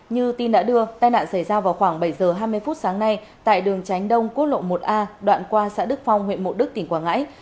như tin đã đưa tai nạn xảy ra vào khoảng bảy giờ hai mươi phút sáng nay tại đường tránh đông quốc lộ một a đoạn qua xã đức phong huyện mộ đức tỉnh quảng ngãi